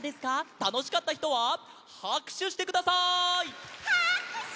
たのしかったひとははくしゅしてください！はくしゅ！